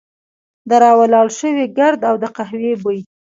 د را ولاړ شوي ګرد او د قهوې بوی.